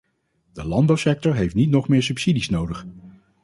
De landbouwsector heeft niet nog meer subsidies nodig.